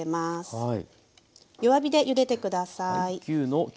はい。